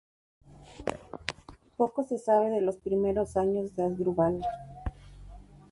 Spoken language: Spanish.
Poco se sabe de los primeros años de Asdrúbal.